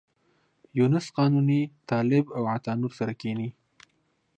یونس قانوني، طالب او عطا نور سره کېني.